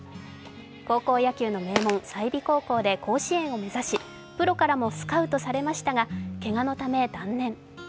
高校野球の名門・済美高校で甲子園を目指しプロからもスカウトされましたが、けがのため断念。